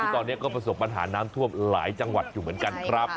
ตอนนี้ก็ประสบปัญหาน้ำท่วมหลายจังหวัดอยู่เหมือนกันครับ